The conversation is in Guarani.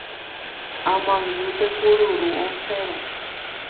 Amangýpe kururu osẽva